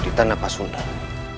di tanah pasundan